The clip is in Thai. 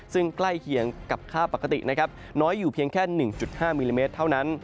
ซึ่งใกล้เคียงกับค่าปกตินะครับน้อยอยู่เพียงแค่๑๕มิลลิเมตรเท่านั้น